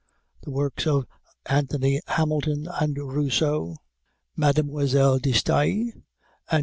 The works of Anthony Hamilton and Rousseau, Mme. de Staël and M.